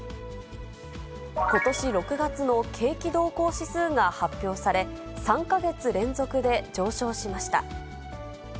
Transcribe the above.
ことし６月の景気動向指数が発表され、３か月連続で上昇しました。